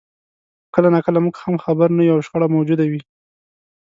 خو کله ناکله موږ خبر هم نه یو او شخړه موجوده وي.